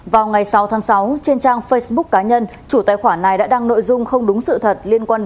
vào ngày sáu tháng sáu trên trang facebook cá nhân chủ tài khoản này đã đăng nội dung không đúng sự thật liên quan